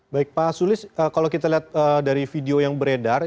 baik pak sulis kalau kita lihat dari video yang beredar